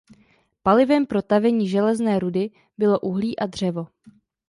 Palivem pro tavení železné rudy bylo uhlí a dřevo.